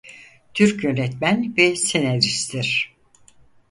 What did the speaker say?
Türk yönetmen ve senaristtir.